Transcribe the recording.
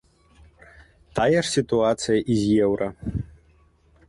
Тая ж сітуацыя і з еўра.